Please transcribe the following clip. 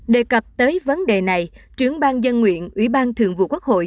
đề cập tới vấn đề này trưởng ban dân nguyện ủy ban thường vụ quốc hội